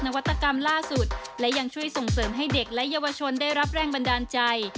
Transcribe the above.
วัตกรรมล่าสุดและยังช่วยส่งเสริมให้เด็กและเยาวชนได้รับแรงบันดาลใจ